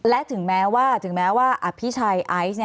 และถึงแม้ว่าถึงแม้ว่าอภิชัยไอซ์